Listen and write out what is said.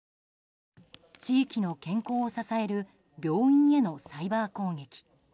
地域の健康を支える病院へのサイバー攻撃。